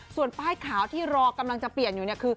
ส่วนป้ายขาวที่รอกำลังจะเปลี่ยนอยู่เนี่ยคือ